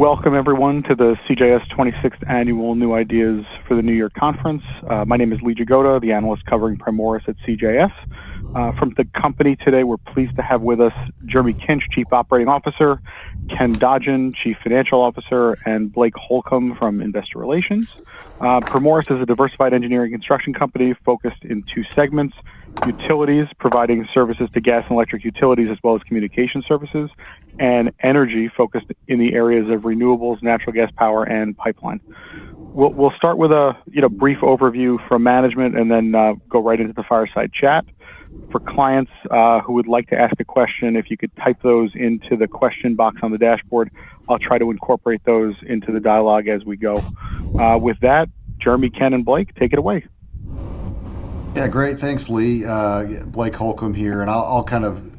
Welcome, everyone, to the CJS 26th Annual New Ideas for the New Year Conference. My name is Lee Jagoda, the analyst covering Primoris at CJS. From the company today, we're pleased to have with us Jeremy Kinch, Chief Operating Officer, Ken Dodgen, Chief Financial Officer, and Blake Holcomb from Investor Relations. Primoris is a diversified engineering construction company focused in two segments: utilities, providing services to gas and electric utilities, as well as communication services, and energy, focused in the areas of renewables, natural gas power, and pipeline. We'll start with a brief overview from management and then go right into the fireside chat. For clients who would like to ask a question, if you could type those into the question box on the dashboard, I'll try to incorporate those into the dialogue as we go. With that, Jeremy, Ken, and Blake, take it away. Yeah, great. Thanks, Lee. Blake Holcomb here, and I'll kind of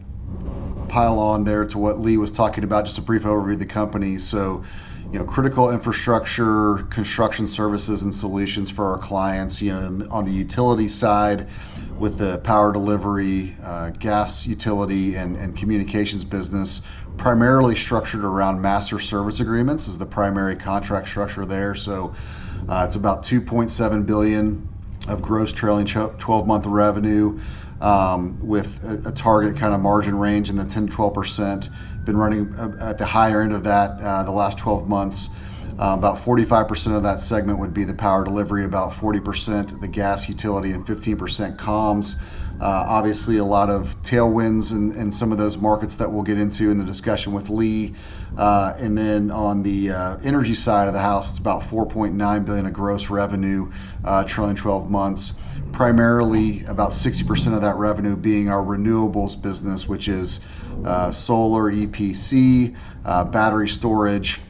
pile on there to what Lee was talking about, just a brief overview of the company. So critical infrastructure, construction services, and solutions for our clients. On the utility side, with the power delivery, gas utility, and communications business, primarily structured around master service agreements as the primary contract structure there. So it's about $2.7 billion of gross trailing 12-month revenue, with a target kind of margin range in the 10% to 12%. Been running at the higher end of that the last 12 months. About 45% of that segment would be the power delivery, about 40% the gas utility, and 15% comms. Obviously, a lot of tailwinds in some of those markets that we'll get into in the discussion with Lee. And then on the energy side of the house, it's about $4.9 billion of gross revenue, trailing 12 months. Primarily, about 60% of that revenue being our renewables business, which is solar, EPC, battery storage,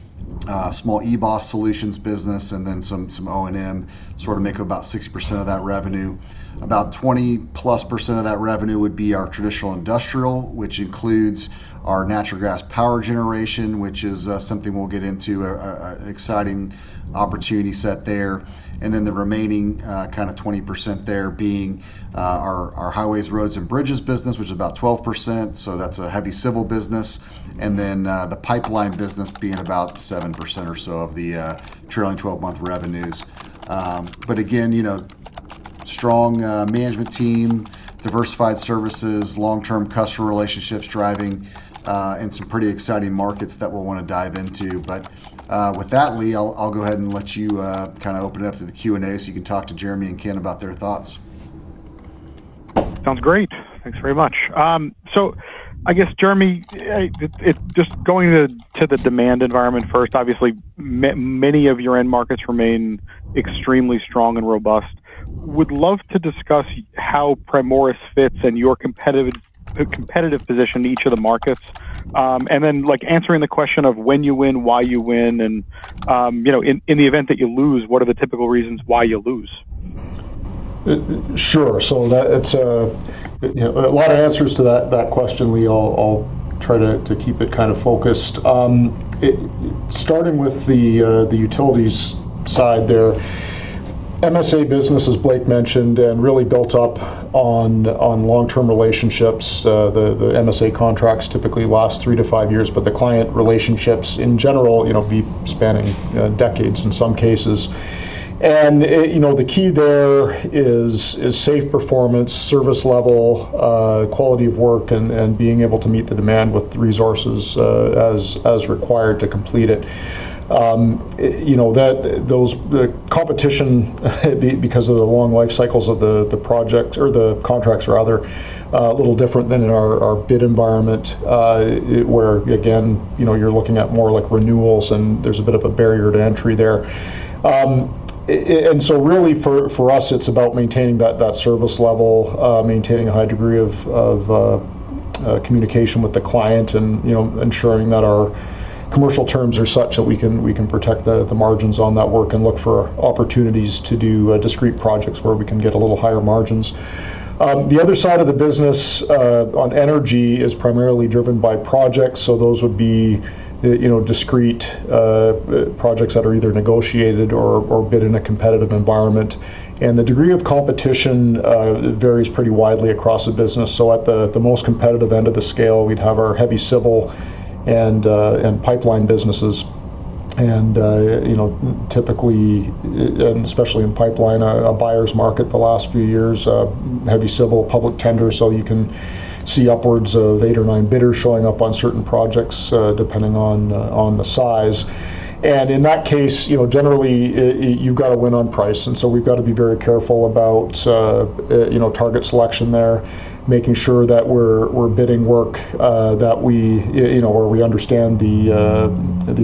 small eBOS solutions business, and then some O&M, sort of make up about 60% of that revenue. About 20-plus% of that revenue would be our traditional industrial, which includes our natural gas power generation, which is something we'll get into an exciting opportunity set there. And then the remaining kind of 20% there being our highways, roads, and bridges business, which is about 12%. So that's a heavy civil business. And then the pipeline business being about 7% or so of the trailing 12-month revenues. But again, strong management team, diversified services, long-term customer relationships driving, and some pretty exciting markets that we'll want to dive into. But with that, Lee, I'll go ahead and let you kind of open it up to the Q and A so you can talk to Jeremy and Ken about their thoughts. Sounds great. Thanks very much. So I guess, Jeremy, just going to the demand environment first, obviously, many of your end markets remain extremely strong and robust. Would love to discuss how Primoris fits and your competitive position in each of the markets. And then answering the question of when you win, why you win, and in the event that you lose, what are the typical reasons why you lose? Sure. So a lot of answers to that question, Lee. I'll try to keep it kind of focused. Starting with the utilities side there, MSA business, as Blake mentioned, and really built up on long-term relationships. The MSA contracts typically last three to five years, but the client relationships in general span decades in some cases. And the key there is safe performance, service level, quality of work, and being able to meet the demand with resources as required to complete it. The competition, because of the long life cycles of the project or the contracts, rather, is a little different than in our bid environment, where, again, you're looking at more like renewals, and there's a bit of a barrier to entry there. And so really, for us, it's about maintaining that service level, maintaining a high degree of communication with the client, and ensuring that our commercial terms are such that we can protect the margins on that work and look for opportunities to do discrete projects where we can get a little higher margins. The other side of the business on energy is primarily driven by projects. So those would be discrete projects that are either negotiated or bid in a competitive environment. And the degree of competition varies pretty widely across the business. So at the most competitive end of the scale, we'd have our heavy civil and pipeline businesses. And typically, and especially in pipeline, a buyer's market the last few years, heavy civil, public tender. So you can see upwards of eight or nine bidders showing up on certain projects depending on the size. And in that case, generally, you've got to win on price. And so we've got to be very careful about target selection there, making sure that we're bidding work that we understand the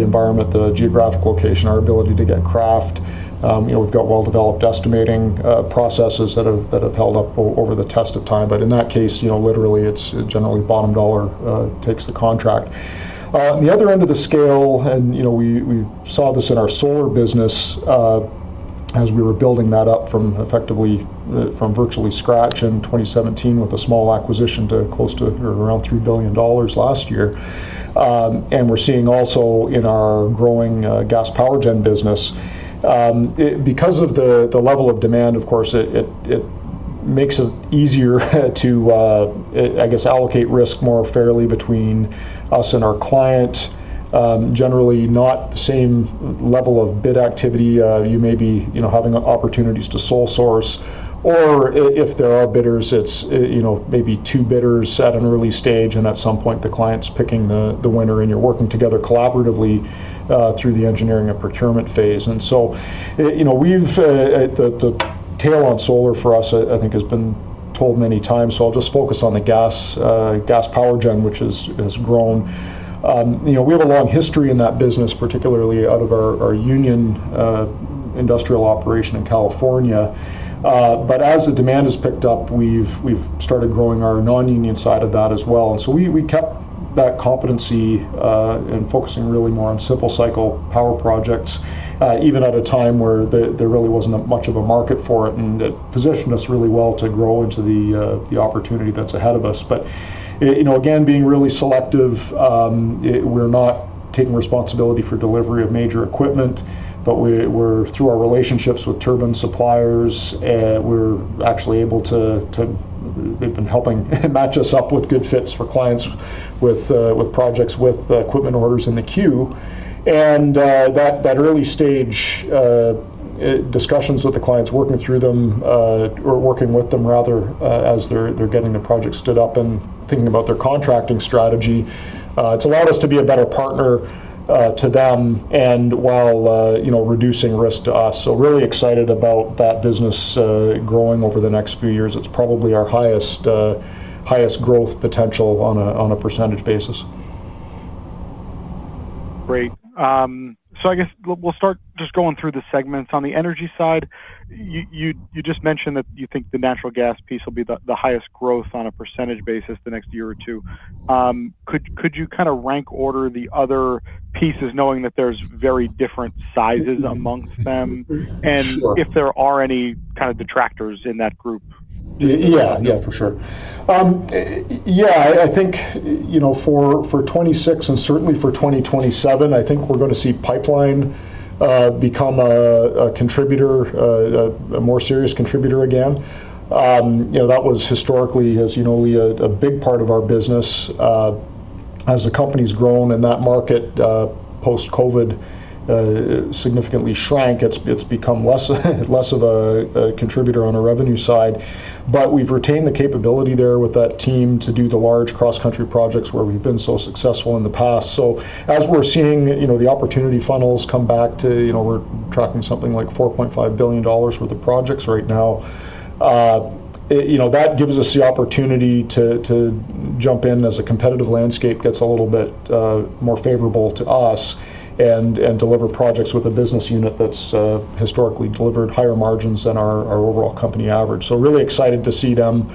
environment, the geographic location, our ability to get craft. We've got well-developed estimating processes that have held up over the test of time. But in that case, literally, it's generally bottom dollar takes the contract. On the other end of the scale, and we saw this in our solar business as we were building that up from virtually scratch in 2017 with a small acquisition to close to around $3 billion last year. And we're seeing also in our growing gas power gen business. Because of the level of demand, of course, it makes it easier to, I guess, allocate risk more fairly between us and our client. Generally, not the same level of bid activity. You may be having opportunities to sole source. Or if there are bidders, it's maybe two bidders at an early stage, and at some point, the client's picking the winner, and you're working together collaboratively through the engineering and procurement phase. And so the tail on solar for us, I think, has been told many times. So I'll just focus on the gas power gen, which has grown. We have a long history in that business, particularly out of our union industrial operation in California. But as the demand has picked up, we've started growing our non-union side of that as well. And so we kept that competency and focusing really more on simple cycle power projects, even at a time where there really wasn't much of a market for it. And it positioned us really well to grow into the opportunity that's ahead of us. But again, being really selective, we're not taking responsibility for delivery of major equipment, but through our relationships with turbine suppliers, we're actually able to, they've been helping match us up with good fits for clients with projects with equipment orders in the queue. And that early stage discussions with the clients, working through them or working with them, rather, as they're getting the projects stood up and thinking about their contracting strategy, it's allowed us to be a better partner to them and while reducing risk to us. So really excited about that business growing over the next few years. It's probably our highest growth potential on a percentage basis. Great. So I guess we'll start just going through the segments. On the energy side, you just mentioned that you think the natural gas piece will be the highest growth on a percentage basis the next year or two. Could you kind of rank order the other pieces, knowing that there's very different sizes amongst them? And if there are any kind of detractors in that group? Yeah, yeah, for sure. Yeah, I think for 2026 and certainly for 2027, I think we're going to see pipeline become a contributor, a more serious contributor again. That was historically, as you know, Lee, a big part of our business. As the company's grown in that market post-COVID, significantly shrank. It's become less of a contributor on a revenue side. But we've retained the capability there with that team to do the large cross-country projects where we've been so successful in the past. So as we're seeing the opportunity funnels come back to. We're tracking something like $4.5 billion worth of projects right now. That gives us the opportunity to jump in as a competitive landscape gets a little bit more favorable to us and deliver projects with a business unit that's historically delivered higher margins than our overall company average. So really excited to see them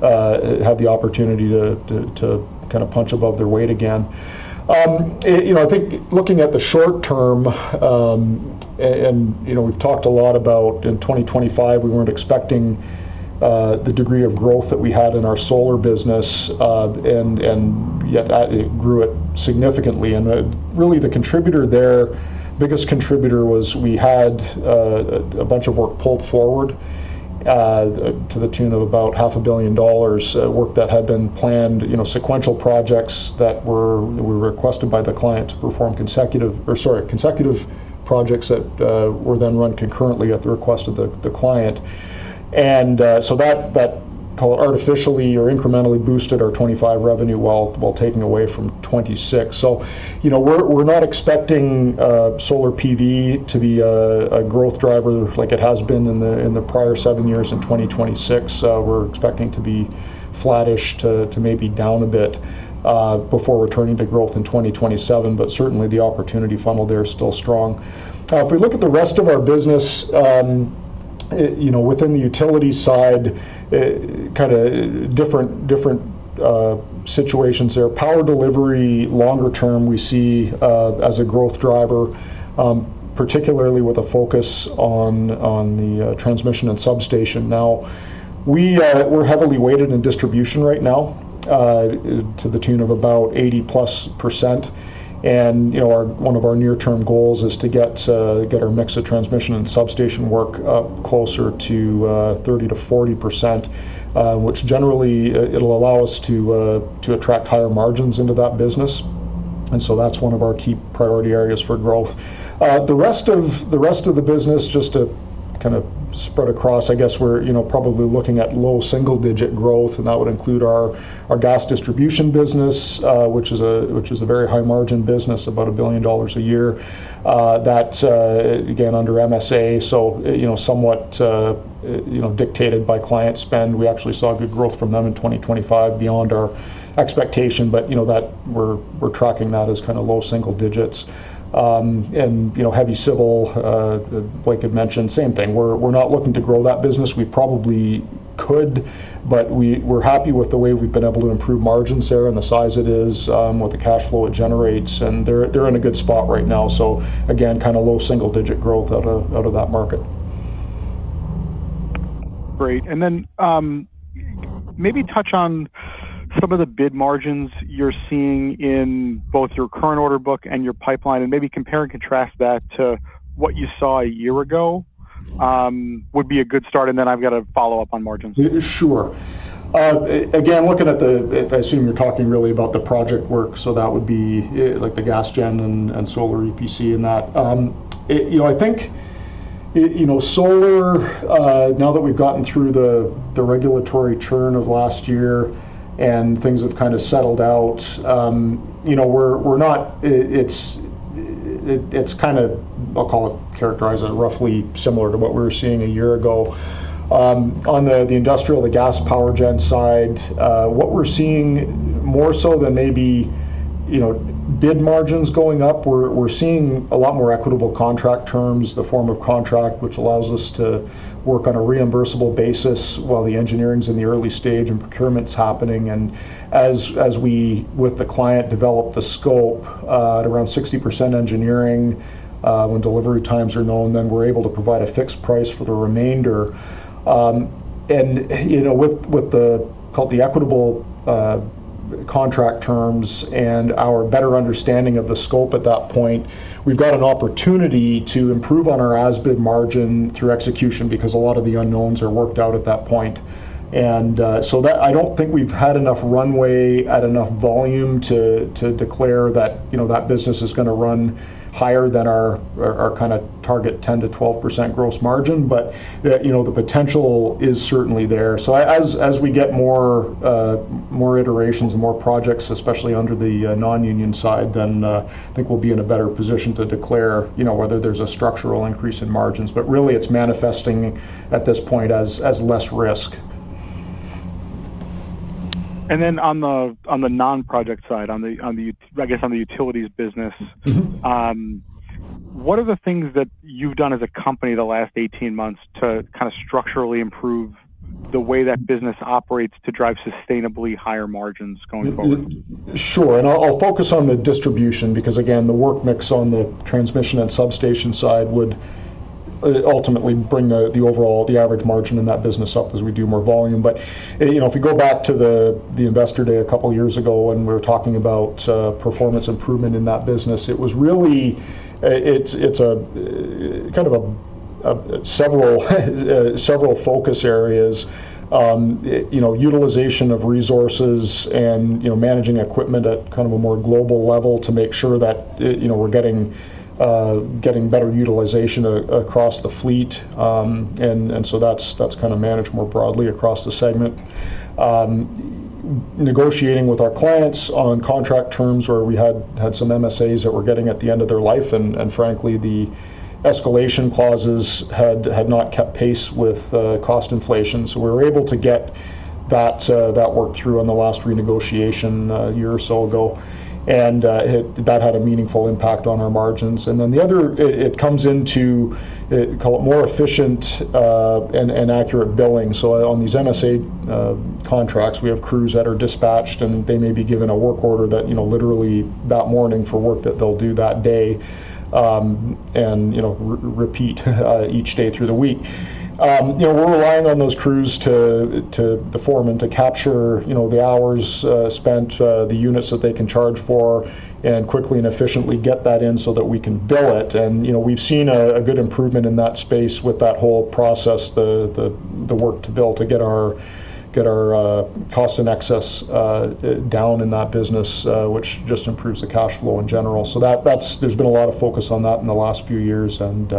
have the opportunity to kind of punch above their weight again. I think looking at the short term, and we've talked a lot about in 2025, we weren't expecting the degree of growth that we had in our solar business, and yet it grew significantly. And really, the contributor there, biggest contributor was we had a bunch of work pulled forward to the tune of about $500 million of work that had been planned, sequential projects that were requested by the client to perform consecutive, or sorry, consecutive projects that were then run concurrently at the request of the client. And so that, call it artificially or incrementally boosted our 2025 revenue while taking away from 2026. So we're not expecting solar PV to be a growth driver like it has been in the prior seven years in 2026. We're expecting to be flattish to maybe down a bit before returning to growth in 2027. But certainly, the opportunity funnel there is still strong. If we look at the rest of our business within the utility side, kind of different situations there. Power delivery, longer term, we see as a growth driver, particularly with a focus on the transmission and substation. Now, we're heavily weighted in distribution right now to the tune of about 80-plus%. And one of our near-term goals is to get our mix of transmission and substation work closer to 30% to 40%, which generally it'll allow us to attract higher margins into that business. And so that's one of our key priority areas for growth. The rest of the business, just to kind of spread across, I guess we're probably looking at low single-digit growth, and that would include our gas distribution business, which is a very high-margin business, about $1 billion a year, that's again under MSA, so somewhat dictated by client spend. We actually saw good growth from them in 2025 beyond our expectation, but we're tracking that as kind of low single digits, and heavy civil, Blake had mentioned, same thing. We're not looking to grow that business. We probably could, but we're happy with the way we've been able to improve margins there and the size it is with the cash flow it generates, and they're in a good spot right now, so again, kind of low single-digit growth out of that market. Great. And then maybe touch on some of the bid margins you're seeing in both your current order book and your pipeline, and maybe compare and contrast that to what you saw a year ago would be a good start. And then I've got to follow up on margins. Sure. Again, looking at the, I assume you're talking really about the project work, so that would be like the gas gen and solar EPC and that. I think solar, now that we've gotten through the regulatory churn of last year and things have kind of settled out, we're not, it's kind of, I'll call it, characterize it roughly similar to what we were seeing a year ago. On the industrial, the gas power gen side, what we're seeing more so than maybe bid margins going up, we're seeing a lot more equitable contract terms, the form of contract, which allows us to work on a reimbursable basis while the engineering's in the early stage and procurement's happening. And as we, with the client, develop the scope at around 60% engineering when delivery times are known, then we're able to provide a fixed price for the remainder. And with the equitable contract terms and our better understanding of the scope at that point, we've got an opportunity to improve on our as-built margin through execution because a lot of the unknowns are worked out at that point. And so I don't think we've had enough runway at enough volume to declare that that business is going to run higher than our kind of target 10% to 12% gross margin, but the potential is certainly there. So as we get more iterations and more projects, especially under the non-union side, then I think we'll be in a better position to declare whether there's a structural increase in margins. But really, it's manifesting at this point as less risk. On the non-project side, I guess on the utilities business, what are the things that you've done as a company the last 18 months to kind of structurally improve the way that business operates to drive sustainably higher margins going forward? Sure. And I'll focus on the distribution because, again, the work mix on the transmission and substation side would ultimately bring the overall, the average margin in that business up as we do more volume. But if we go back to the Investor Day a couple of years ago when we were talking about performance improvement in that business, it was really. It's kind of several focus areas, utilization of resources and managing equipment at kind of a more global level to make sure that we're getting better utilization across the fleet. And so that's kind of managed more broadly across the segment. Negotiating with our clients on contract terms where we had some MSAs that were getting at the end of their life. And frankly, the escalation clauses had not kept pace with cost inflation. So we were able to get that worked through on the last renegotiation a year or so ago. And that had a meaningful impact on our margins. And then the other, it comes into, call it, more efficient and accurate billing. So on these MSA contracts, we have crews that are dispatched, and they may be given a work order that literally that morning for work that they'll do that day and repeat each day through the week. We're relying on those crews to perform and to capture the hours spent, the units that they can charge for, and quickly and efficiently get that in so that we can bill it. And we've seen a good improvement in that space with that whole process, the work to build to get our costs in excess down in that business, which just improves the cash flow in general. So there's been a lot of focus on that in the last few years and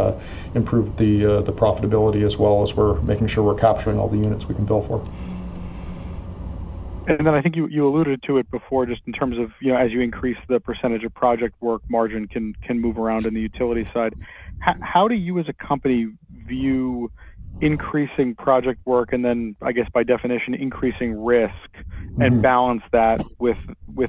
improved the profitability as well as we're making sure we're capturing all the units we can bill for. Then I think you alluded to it before just in terms of as you increase the percentage of project work, margin can move around in the utility side. How do you as a company view increasing project work and then, I guess by definition, increasing risk and balance that with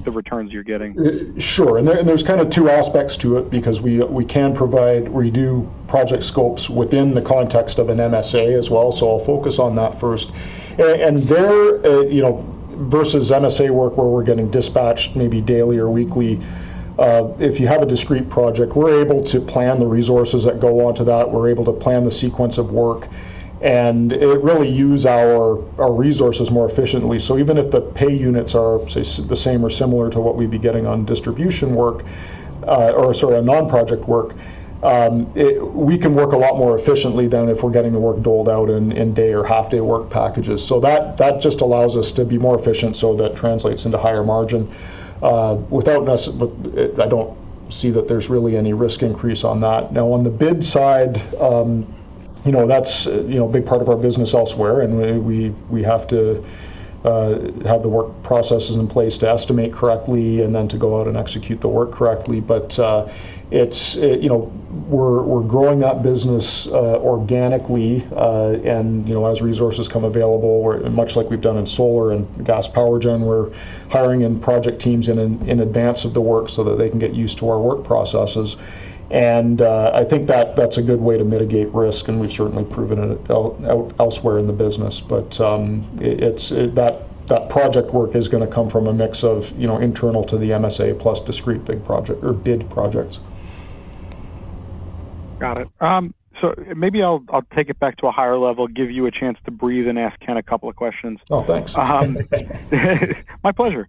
the returns you're getting? Sure. And there's kind of two aspects to it because we can provide, we do project scopes within the context of an MSA as well. So I'll focus on that first. And there versus MSA work where we're getting dispatched maybe daily or weekly, if you have a discrete project, we're able to plan the resources that go onto that. We're able to plan the sequence of work and really use our resources more efficiently. So even if the pay units are, say, the same or similar to what we'd be getting on distribution work or, sorry, on non-project work, we can work a lot more efficiently than if we're getting the work doled out in day or half-day work packages. So that just allows us to be more efficient, so that translates into higher margin. I don't see that there's really any risk increase on that. Now, on the bid side, that's a big part of our business elsewhere. And we have to have the work processes in place to estimate correctly and then to go out and execute the work correctly. But we're growing that business organically. And as resources come available, much like we've done in solar and gas power gen, we're hiring in project teams in advance of the work so that they can get used to our work processes. And I think that that's a good way to mitigate risk. And we've certainly proven it elsewhere in the business. But that project work is going to come from a mix of internal to the MSA plus discrete big project or bid projects. Got it. So maybe I'll take it back to a higher level, give you a chance to breathe, and ask Ken a couple of questions. Oh, thanks. My pleasure.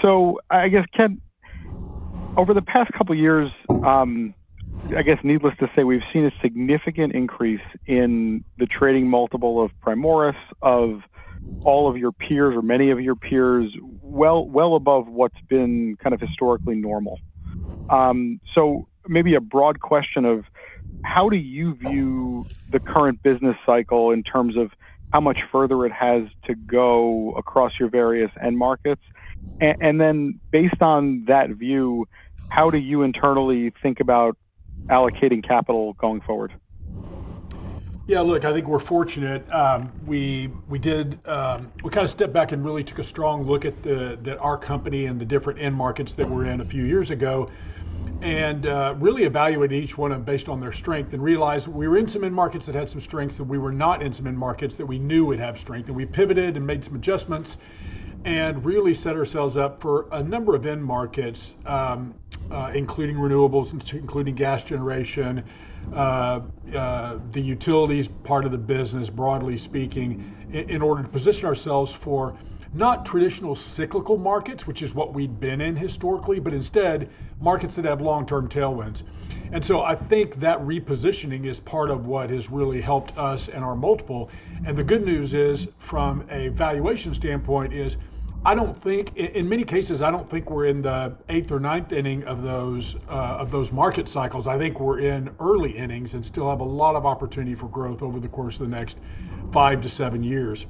So I guess, Ken, over the past couple of years, I guess needless to say, we've seen a significant increase in the trading multiple of Primoris of all of your peers or many of your peers, well above what's been kind of historically normal. So maybe a broad question of how do you view the current business cycle in terms of how much further it has to go across your various end markets? And then based on that view, how do you internally think about allocating capital going forward? Yeah. Look, I think we're fortunate. We did kind of step back and really took a strong look at our company and the different end markets that were in a few years ago and really evaluated each one of them based on their strength and realized we were in some end markets that had some strengths that we were not in some end markets that we knew would have strength, and we pivoted and made some adjustments and really set ourselves up for a number of end markets, including renewables, including gas generation, the utilities part of the business, broadly speaking, in order to position ourselves for not traditional cyclical markets, which is what we've been in historically, but instead markets that have long-term tailwinds, and so I think that repositioning is part of what has really helped us and our multiple. And the good news is from a valuation standpoint is I don't think in many cases, I don't think we're in the eighth or ninth inning of those market cycles. I think we're in early innings and still have a lot of opportunity for growth over the course of the next five to seven years,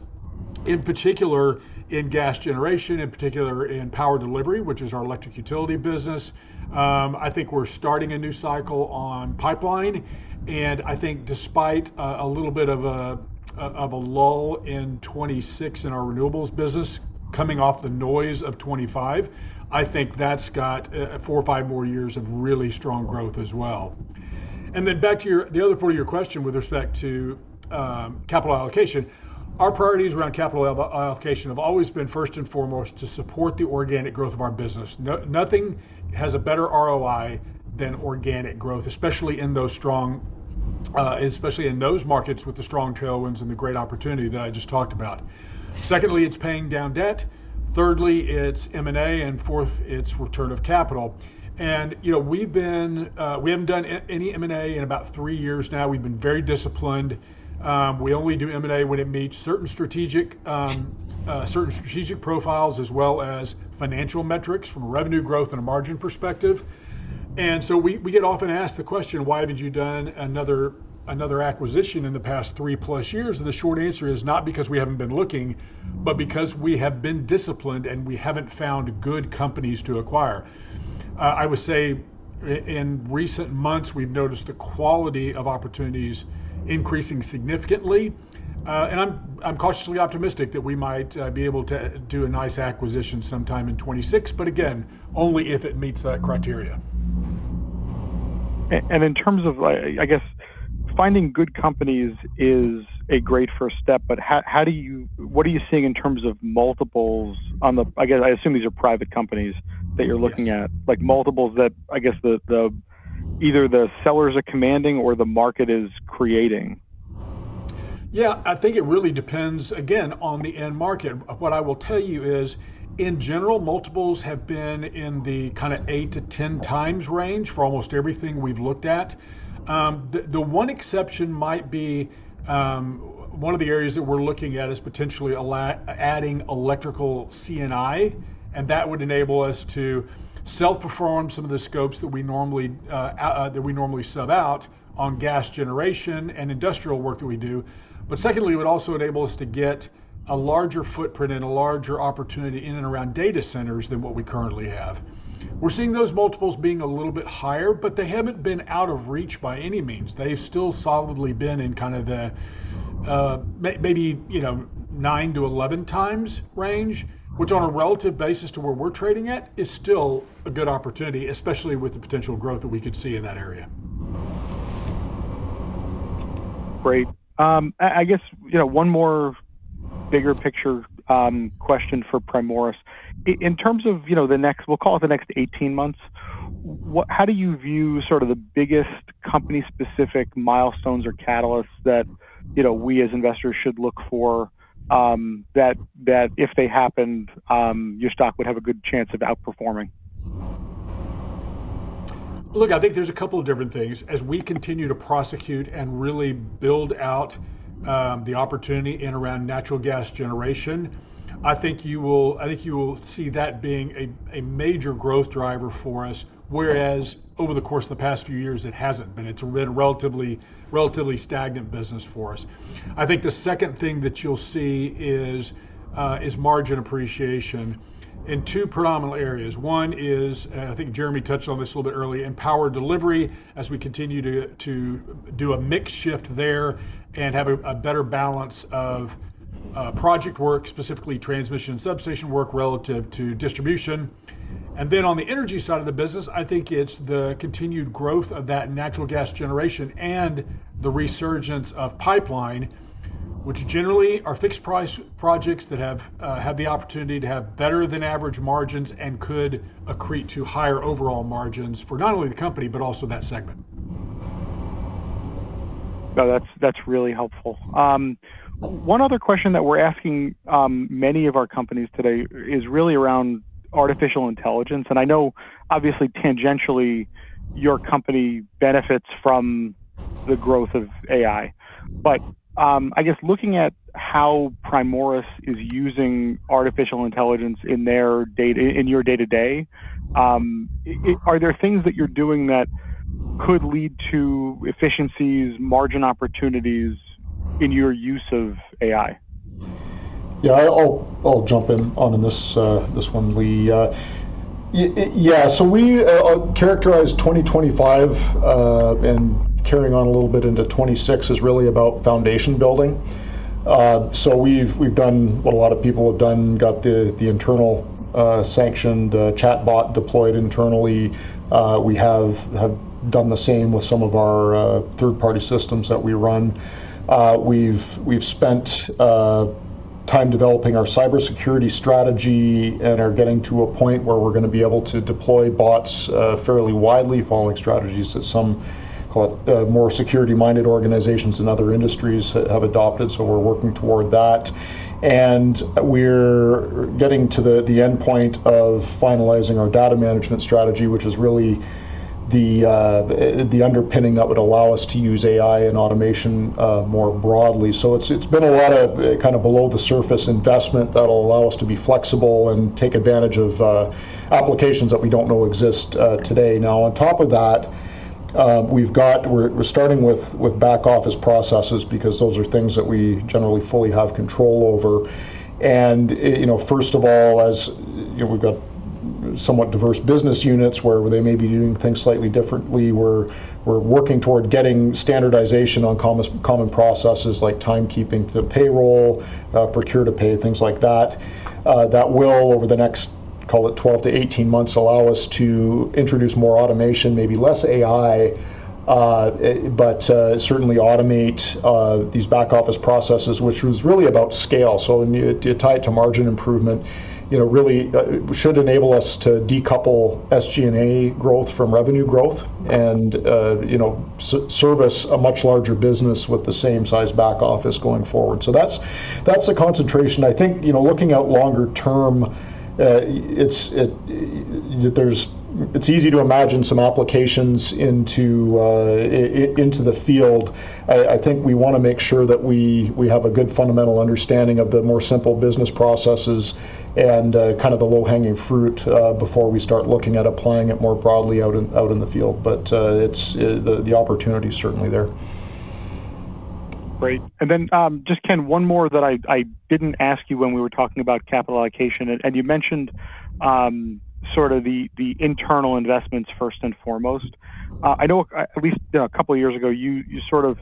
in particular in gas generation, in particular in power delivery, which is our electric utility business. I think we're starting a new cycle on pipeline. And I think despite a little bit of a lull in 2026 in our renewables business coming off the noise of 2025, I think that's got four or five more years of really strong growth as well. Then back to the other part of your question with respect to capital allocation, our priorities around capital allocation have always been first and foremost to support the organic growth of our business. Nothing has a better ROI than organic growth, especially in those strong markets with the strong tailwinds and the great opportunity that I just talked about. Secondly, it's paying down debt. Thirdly, it's M&A. And fourth, it's return of capital. And we haven't done any M&A in about three years now. We've been very disciplined. We only do M&A when it meets certain strategic profiles as well as financial metrics from a revenue growth and a margin perspective. And so we get often asked the question, "Why haven't you done another acquisition in the past three-plus years?" And the short answer is not because we haven't been looking, but because we have been disciplined and we haven't found good companies to acquire. I would say in recent months, we've noticed the quality of opportunities increasing significantly. And I'm cautiously optimistic that we might be able to do a nice acquisition sometime in 2026, but again, only if it meets that criteria. And in terms of, I guess, finding good companies is a great first step, but what are you seeing in terms of multiples on the—I guess I assume these are private companies that you're looking at, multiples that I guess either the sellers are commanding or the market is creating? Yeah. I think it really depends, again, on the end market. What I will tell you is, in general, multiples have been in the kind of eight to 10 times range for almost everything we've looked at. The one exception might be one of the areas that we're looking at is potentially adding electrical C&I, and that would enable us to self-perform some of the scopes that we normally sub out on gas generation and industrial work that we do. But secondly, it would also enable us to get a larger footprint and a larger opportunity in and around data centers than what we currently have. We're seeing those multiples being a little bit higher, but they haven't been out of reach by any means. They've still solidly been in kind of the maybe 9 to 11 times range, which on a relative basis to where we're trading at is still a good opportunity, especially with the potential growth that we could see in that area. Great. I guess one more bigger picture question for Primoris. In terms of the next, we'll call it the next 18 months, how do you view sort of the biggest company-specific milestones or catalysts that we as investors should look for that if they happened, your stock would have a good chance of outperforming? Look, I think there's a couple of different things. As we continue to prosecute and really build out the opportunity in and around natural gas generation, I think you will see that being a major growth driver for us, whereas over the course of the past few years, it hasn't been. It's been a relatively stagnant business for us. I think the second thing that you'll see is margin appreciation in two predominant areas. One is, and I think Jeremy touched on this a little bit earlier, in power delivery as we continue to do a mix shift there and have a better balance of project work, specifically transmission and substation work relative to distribution. Then on the energy side of the business, I think it's the continued growth of that natural gas generation and the resurgence of pipeline, which generally are fixed-price projects that have the opportunity to have better-than-average margins and could accrete to higher overall margins for not only the company, but also that segment. No, that's really helpful. One other question that we're asking many of our companies today is really around artificial intelligence, and I know, obviously, tangentially, your company benefits from the growth of AI, but I guess looking at how Primoris is using artificial intelligence in your day-to-day, are there things that you're doing that could lead to efficiencies, margin opportunities in your use of AI? Yeah. I'll jump in on this one. Yeah. So we characterize 2025 and carrying on a little bit into 2026 is really about foundation building. So we've done what a lot of people have done, got the internal sanctioned chatbot deployed internally. We have done the same with some of our third-party systems that we run. We've spent time developing our cybersecurity strategy and are getting to a point where we're going to be able to deploy bots fairly widely, following strategies that some, call it, more security-minded organizations in other industries have adopted. So we're working toward that. And we're getting to the endpoint of finalizing our data management strategy, which is really the underpinning that would allow us to use AI and automation more broadly. So it's been a lot of kind of below-the-surface investment that will allow us to be flexible and take advantage of applications that we don't know exist today. Now, on top of that, we're starting with back-office processes because those are things that we generally fully have control over. And first of all, as we've got somewhat diverse business units where they may be doing things slightly differently, we're working toward getting standardization on common processes like timekeeping to payroll, procure to pay, things like that. That will, over the next, call it, 12-18 months, allow us to introduce more automation, maybe less AI, but certainly automate these back-office processes, which was really about scale. So when you tie it to margin improvement, really should enable us to decouple SG&A growth from revenue growth and service a much larger business with the same size back-office going forward. So that's the concentration. I think looking out longer term, it's easy to imagine some applications into the field. I think we want to make sure that we have a good fundamental understanding of the more simple business processes and kind of the low-hanging fruit before we start looking at applying it more broadly out in the field. But the opportunity is certainly there. Great. And then just, Ken, one more that I didn't ask you when we were talking about capital allocation. And you mentioned sort of the internal investments first and foremost. I know at least a couple of years ago, you sort of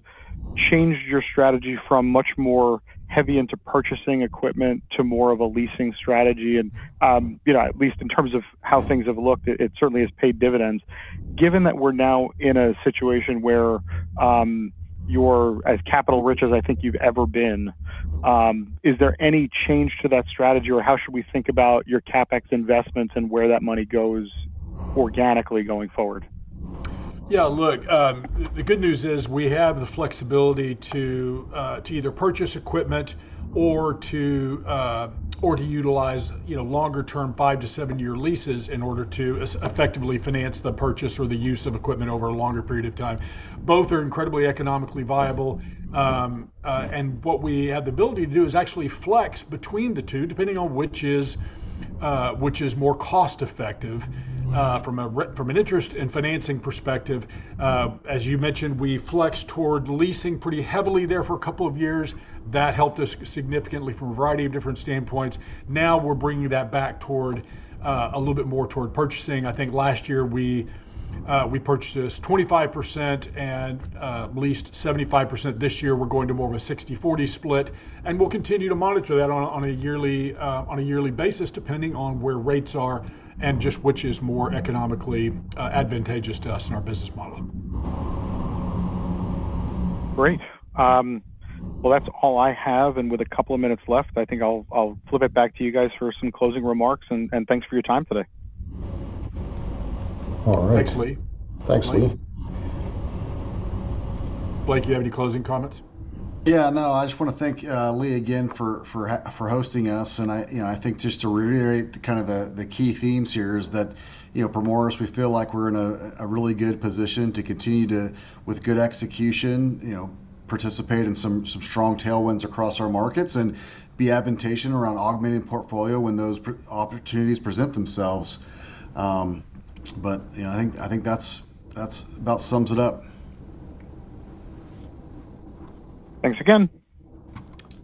changed your strategy from much more heavy into purchasing equipment to more of a leasing strategy. And at least in terms of how things have looked, it certainly has paid dividends. Given that we're now in a situation where you're as capital-rich as I think you've ever been, is there any change to that strategy? Or how should we think about your CapEx investments and where that money goes organically going forward? Yeah. Look, the good news is we have the flexibility to either purchase equipment or to utilize longer-term five to seven-year leases in order to effectively finance the purchase or the use of equipment over a longer period of time. Both are incredibly economically viable. And what we have the ability to do is actually flex between the two, depending on which is more cost-effective from an interest and financing perspective. As you mentioned, we flexed toward leasing pretty heavily there for a couple of years. That helped us significantly from a variety of different standpoints. Now we're bringing that back a little bit more toward purchasing. I think last year we purchased 25% and leased 75%. This year, we're going to more of a 60/40 split. We'll continue to monitor that on a yearly basis depending on where rates are and just which is more economically advantageous to us in our business model. Great. Well, that's all I have. And with a couple of minutes left, I think I'll flip it back to you guys for some closing remarks. And thanks for your time today. All right. Thanks, Lee. Thanks, Lee. Blake, do you have any closing comments? Yeah. No, I just want to thank Lee again for hosting us. And I think just to reiterate kind of the key themes here is that Primoris, we feel like we're in a really good position to continue to, with good execution, participate in some strong tailwinds across our markets and be advantageous around augmenting the portfolio when those opportunities present themselves. But I think that about sums it up. Thanks again.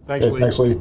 Thanks, Lee. Thanks.